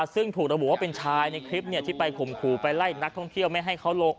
ซึ่งถูกระบุว่าเป็นชายในคลิปที่ไปข่มขู่ไปไล่นักท่องเที่ยวไม่ให้เขาลง